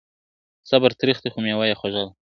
صبر تریخ دی خو میوه یې خوږه ده `